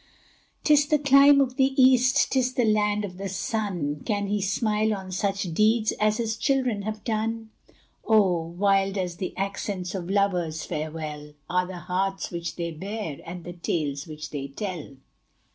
'Tis the clime of the East! 'tis the land of the Sun! Can he smile on such deeds as his children have done? Oh! wild as the accents of lovers' farewell Are the hearts which they bear, and the tales which they tell.